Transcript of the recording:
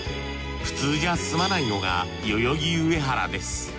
普通じゃ済まないのが代々木上原です。